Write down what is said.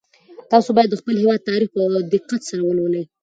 تاسو باید د خپل هېواد تاریخ په دقت سره ولولئ.